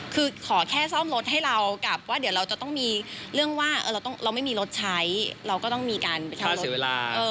คือขอแค่ซ่อมรถให้เรากลับว่าเดี๋ยวเราจะต้องมีเรื่องว่าเราไม่มีรถใช้เราก็ต้องมีการไปทำเราเสียเวลา